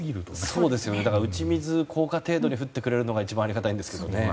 打ち水効果程度に降るのが一番ありがたいんですけどね。